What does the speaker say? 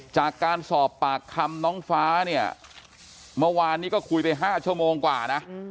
จากการสอบปากคำน้องฟ้าเนี่ยเมื่อวานนี้ก็คุยไป๕ชั่วโมงกว่านะ